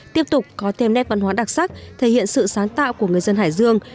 tiếp tục có thêm nét văn hóa đặc sắc thể hiện sự sáng tạo của người dân hải dương